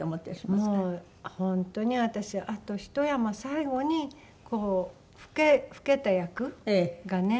もう本当に私あとひと山最後にこう老けた役がね